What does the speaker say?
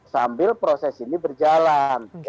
sambil proses ini berjalan